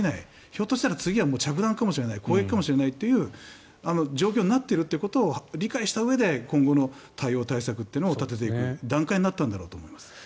ひょっとしたら次は着弾かもしれない攻撃かもしれないという状況になっていることを理解したうえで今後の対応、対策というのを立てていく段階になったんだと思います。